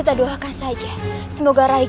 tuhan yang terbaik